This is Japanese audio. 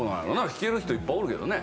弾ける人いっぱいおるけどね。